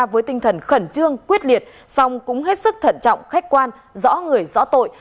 với tinh thần khẩn trương quyết liệt song cũng hết sức thận trọng khách quan rõ người rõ tội